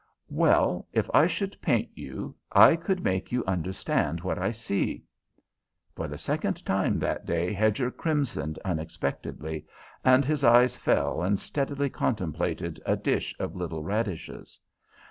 "Well, if I should paint you, I could make you understand what I see." For the second time that day Hedger crimsoned unexpectedly, and his eyes fell and steadily contemplated a dish of little radishes.